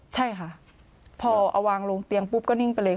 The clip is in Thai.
ใช่ค่ะพอเอาวางลงเตียงปุ๊บก็นิ่งไปเลยค่ะ